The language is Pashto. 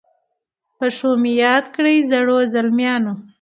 په ښو مي یاد کړی زړو، زلمیانو